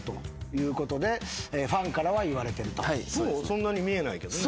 そんなに見えないけどね。